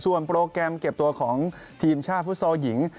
โปรแกรมเก็บตัวของทีมชาติฟุตซอลหญิง